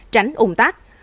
tránh ủng tác